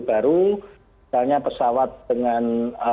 baru misalnya pesawat dengan